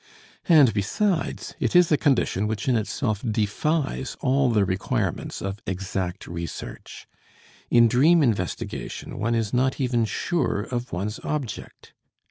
And besides, it is a condition which in itself defies all the requirements of exact research in dream investigation one is not even sure of one's object.